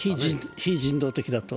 非人道的だと。